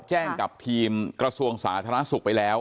กับทีมกระทรวงสาธารณสุขไปแล้ว